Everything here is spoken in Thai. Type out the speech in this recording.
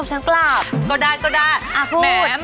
แอร์โหลดแล้วคุณล่ะโหลดแล้ว